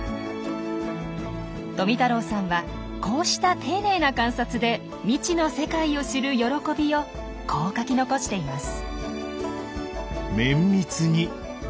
富太郎さんはこうした丁寧な観察で未知の世界を知る喜びをこう書き残しています。